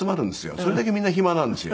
それだけみんな暇なんですよ。